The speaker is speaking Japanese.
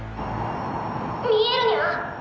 見えるニャ？